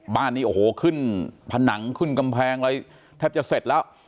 บ้านนี้โอ้โหขึ้นผนังขึ้นกำแพงอะไรแทบจะเสร็จแล้ว